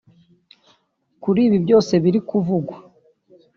Kuri ibi byose biri kuvugwa